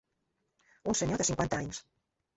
Un senyor de cinquanta anys.